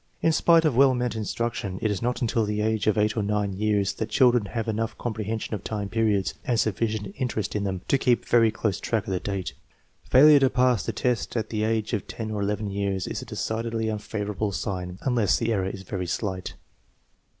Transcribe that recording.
In spite of well meant instruction, it is not until the age of 8 or 9 years that children have enough comprehension of time periods, and sufficient in terest in them, to keep very close track of the date. Fail ure to pass the test at the age of 10 or 11 years is a decidedly unfavorable sign, unless the error is very slight.